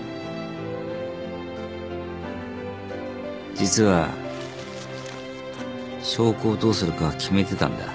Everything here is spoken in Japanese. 実は証拠をどうするか決めてたんだ。